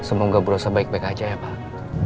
semoga bu rossa baik baik aja ya pak